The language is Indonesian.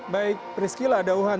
baik priscila dauhan